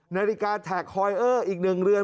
นาฬิกาแท็กฮอยเออร์อีก๑เรือน